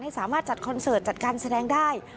สามารถจัดคอนเสิร์ตจัดการแสดงได้